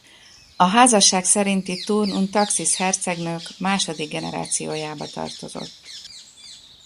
A házasság szerinti Thurn und Taxisi hercegnők második generációjába tartozott.